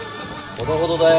ほどほどだよ。